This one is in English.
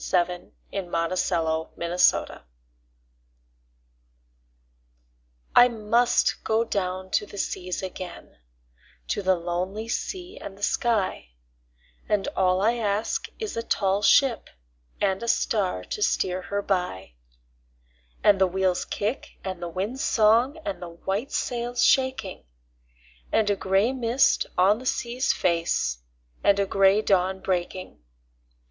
U V . W X . Y Z Sea Fever I MUST down to the seas again, to the lonely sea and the sky, And all I ask is a tall ship and a star to steer her by, And the wheel's kick and the wind's song and the white sail's shaking, And a gray mist on the sea's face, and a gray dawn breaking.